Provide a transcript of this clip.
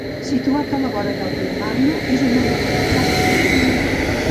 Situat a la vora del riu Marne, és una localitat residencial.